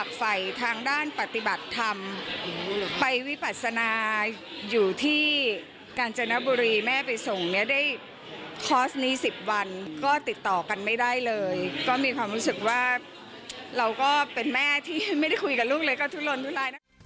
ติดต่อกันไม่ได้เลยก็มีความรู้สึกว่าเราก็เป็นแม่ที่ไม่ได้คุยกับลูกเลย